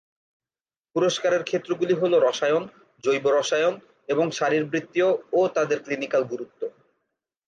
পুরস্কারের ক্ষেত্রগুলি হল রসায়ন, জৈব রসায়ন এবং শারীরবৃত্তীয় ও তাদের ক্লিনিকাল গুরুত্ব।